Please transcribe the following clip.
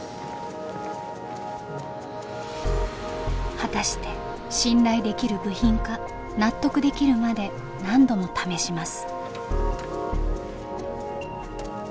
果たして信頼できる部品か納得できるまで何度も試します。